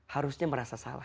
harusnya merasa salah